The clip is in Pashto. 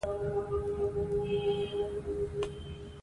مزارشریف د افغانستان د دوامداره پرمختګ لپاره اړین دي.